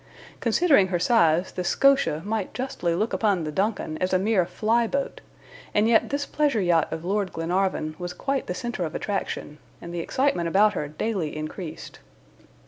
Considering her size, the SCOTIA might justly look upon the DUNCAN as a mere fly boat, and yet this pleasure yacht of Lord Glenarvan was quite the center of attraction, and the excitement about her daily increased.